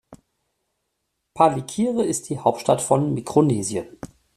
Palikir ist die Hauptstadt von Mikronesien.